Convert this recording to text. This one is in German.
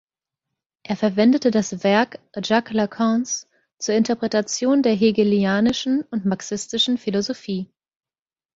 Er verwendete das Werk Jacques Lacans zur Interpretation der hegelianischen und marxistischen Philosophie.